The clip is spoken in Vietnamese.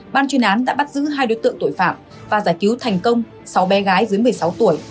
ban chuyên án đã bắt giữ hai đối tượng tội phạm và giải cứu thành công sáu bé gái dưới một mươi sáu tuổi